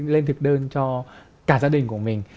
lên thực đơn cho cả gia đình của mình